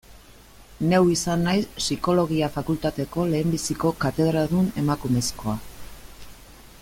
Neu izan naiz Psikologia fakultateko lehenbiziko katedradun emakumezkoa.